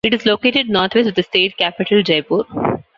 It is located northwest of the state capital, Jaipur.